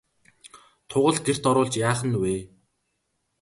Тугал гэрт оруулж яах нь вэ?